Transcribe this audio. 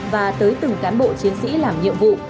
với từng cán bộ chiến sĩ làm nhiệm vụ